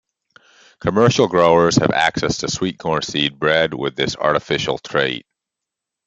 Commercial growers have access to sweet corn seed bred with this artificial trait.